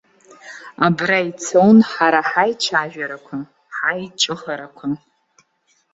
Абра ицон ҳара ҳаицәажәарақәа, ҳаиҿыхарақәа.